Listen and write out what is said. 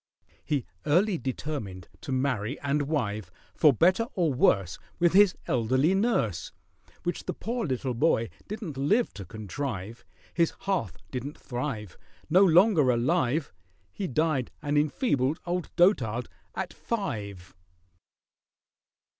He early determined to marry and wive, For better or worse With his elderly nurse— Which the poor little boy didn't live to contrive: His hearth didn't thrive— No longer alive, He died an enfeebled old dotard at five!